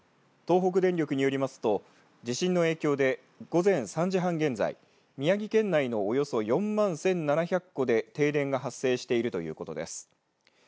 東北電力によりますと地震の影響で午前３時半現在、宮城県内のおよそ４万１７００戸で停電が発生しているということです。